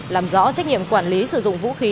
làm rõ trách nhiệm quản lý sử dụng vũ khí